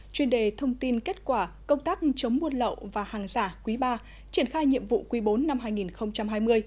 chuyên đề thông tin kết quả công tác chống buôn lậu và hàng giả quý ba triển khai nhiệm vụ quý bốn năm hai nghìn hai mươi